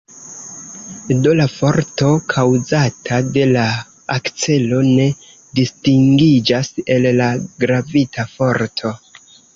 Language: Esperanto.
Do la forto kaŭzata de la akcelo ne distingiĝas el la gravita forto.